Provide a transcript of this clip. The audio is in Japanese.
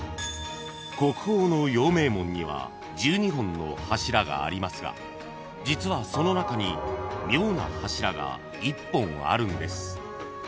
［国宝の陽明門には１２本の柱がありますが実はその中に妙な柱が１本あるんです］